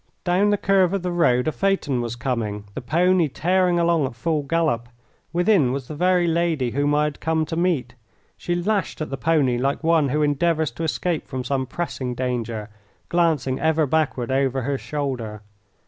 Down the curve of the road a phaeton was coming, the pony tearing along at full gallop. Within was the very lady whom I had come to meet. She lashed at the pony like one who endeavours to escape from some pressing danger, glancing ever backward over her shoulder.